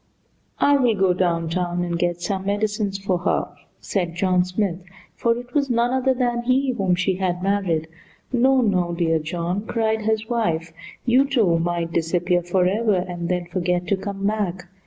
"I will go downtown and get some medicine for her," said John Smith (for it was none other than he whom she had married). "No, no, dear John," cried his wife. "You, too, might disappear forever, and then forget to come back."